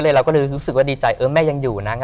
เราก็เลยรู้สึกว่าดีใจเออแม่ยังอยู่นะ